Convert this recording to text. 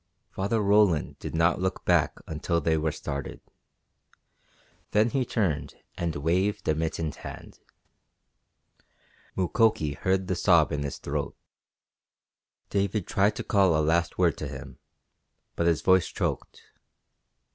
Father Roland did not look back until they were started. Then he turned and waved a mittened hand. Mukoki heard the sob in his throat. David tried to call a last word to him, but his voice choked.